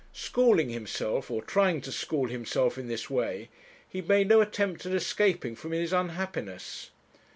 Schooling himself, or trying to school himself in this way, he made no attempt at escaping from his unhappiness.